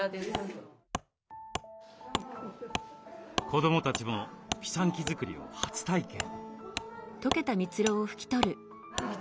子どもたちもピサンキ作りを初体験。